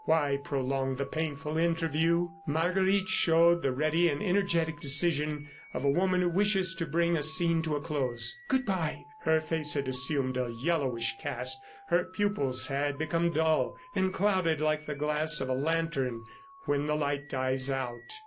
Why prolong the painful interview? ... Marguerite showed the ready and energetic decision of a woman who wishes to bring a scene to a close. "Good bye!" Her face had assumed a yellowish cast, her pupils had become dull and clouded like the glass of a lantern when the light dies out.